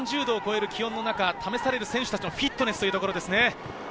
３０度を超える気温の中、試される選手達のフィットネスというところですね。